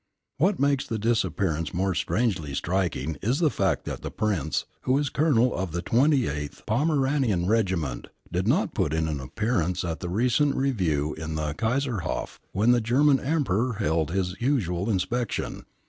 What makes the disappearance more strangely striking is the fact that the Prince, who is Colonel of the 28th Pommeranian Regiment, did not put in an appearance at the recent review in the Kaiserhof when the German Emperor held his usual inspection.